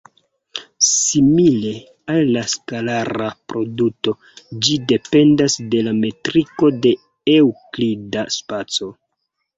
Simile al la skalara produto, ĝi dependas de la metriko de eŭklida spaco.